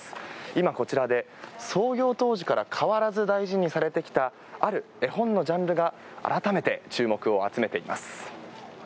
今、こちらで創業当時から変わらず大事にされてきたある絵本のジャンルが改めて注目を集めています。